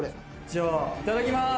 じゃあいただきます。